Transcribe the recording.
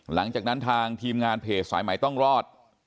หลังจากนั้นทางทีมงานเพจสายใหม่ต้องรอด